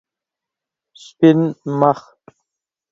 سپین مخ